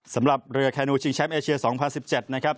สำหรับเรือแคนูชิงแชมป์เอเชีย๒๐๑๗นะครับ